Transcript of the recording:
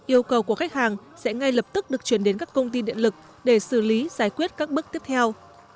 yêu cầu của khách hàng sẽ ngay lập tức được chuyển đến các công ty điện lực để xử lý giải quyết các bước tiếp theo